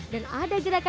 dan ada gerakan berkuda